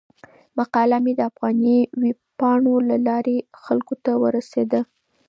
مقاله مې د افغاني ویبپاڼو له لارې خلکو ته ورسیده.